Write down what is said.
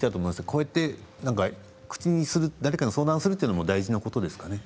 こうやって誰かに相談するというのも大事なことですかね。